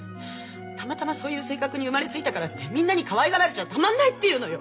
たまたまそういう性格に生まれついたからってみんなにかわいがられちゃたまんないっていうのよ。